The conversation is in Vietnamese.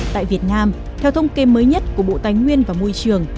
tại việt nam theo thông kê mới nhất của bộ tài nguyên và môi trường